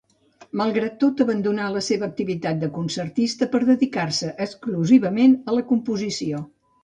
Malgrat tot, abandonà la seva activitat de concertista, per a dedicar-se exclusivament a la composició.